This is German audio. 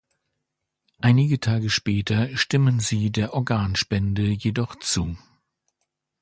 Einige Tage später stimmen sie der Organspende jedoch zu.